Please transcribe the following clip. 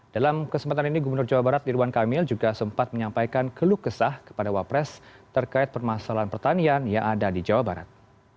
dalam kesempatan ini gubernur jawa barat ridwan kamil juga sempat menyampaikan keluh kesah kepada wapres terkait permasalahan pertanian yang ada di jawa barat